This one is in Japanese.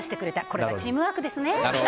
これがチームワークですね。